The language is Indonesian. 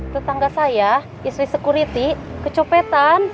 tetangga saya istri security kecopetan